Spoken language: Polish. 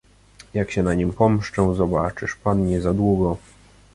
"Jak się na nim pomszczę, zobaczysz pan niezadługo."